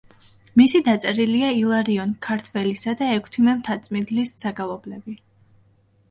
მისი დაწერილია ილარიონ ქართველისა და ექვთიმე მთაწმიდლის საგალობლები.